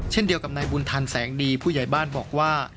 เช่นเดียวกับนายบุญทันแสงดีผู้ใหญ่บ้านบอกว่า